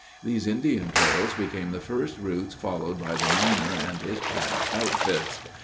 These Indian trails became the first routes followed by the miner and his pack outfits.